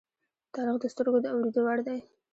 تاریخ د سترگو د اوریدو وړ دی.